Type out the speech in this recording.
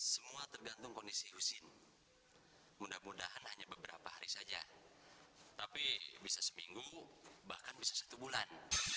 semua tergantung kondisi husin mudah mudahan hanya beberapa hari saja tapi bisa seminggu bahkan bisa satu bulan